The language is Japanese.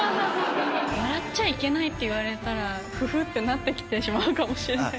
笑っちゃいけないって言われたら、ふふってなってきてしまうかもしれない。